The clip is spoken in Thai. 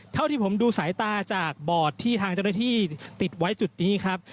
เท่าที่ผมดูสายตาจากบอร์ดที่ทางเจ้าหน้าที่ติดไว้จุดนี้ครับ